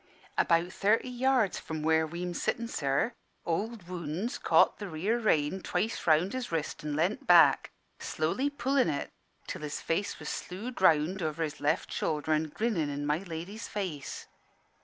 "About thirty yards from where we'm sittin', sir, Ould Wounds caught the near rein twice round his wrist an lean't back, slowly pullin' it, till his face was slewed round over his left shoulder an' grinnin' in my lady's face.